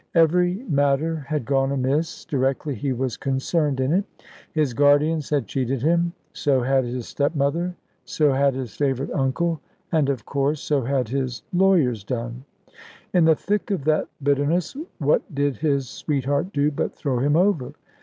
Every matter had gone amiss, directly he was concerned in it; his guardians had cheated him, so had his step mother, so had his favourite uncle, and of course so had his lawyers done. In the thick of that bitterness, what did his sweetheart do but throw him over.